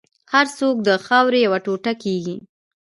هر څوک د خاورې یو ټوټه کېږي.